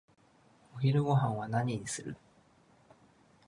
お昼ごはんは何にする？